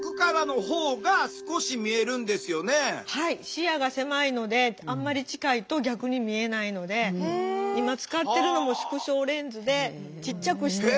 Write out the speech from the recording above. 視野が狭いのであんまり近いと逆に見えないので今使ってるのも縮小レンズでちっちゃくして。